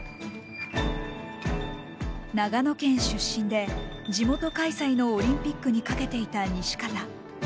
長野県出身で地元開催のオリンピックにかけていた西方。